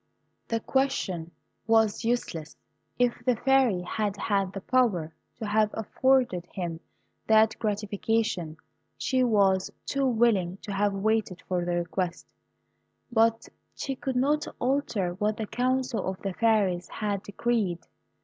The question was useless. If the Fairy had had the power to have afforded him that gratification, she was too willing to have waited for the request: but she could not alter what the Council of the Fairies had decreed.